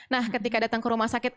nah ketika datang ke rumah sakit